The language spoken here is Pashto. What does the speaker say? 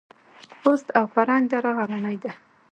خوست او فرنګ دره غرنۍ ده؟